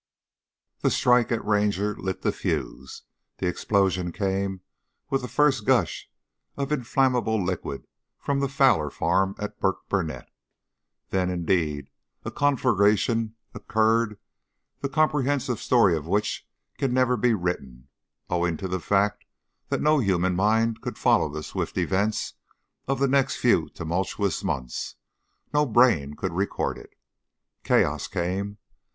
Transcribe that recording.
The strike at Ranger lit the fuse, the explosion came with the first gush of inflammable liquid from the Fowler farm at Burkburnett. Then, indeed, a conflagration occurred, the comprehensive story of which can never be written, owing to the fact that no human mind could follow the swift events of the next few tumultuous months, no brain could record it. Chaos came.